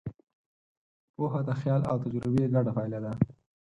پوهه د خیال او تجربې ګډه پایله ده.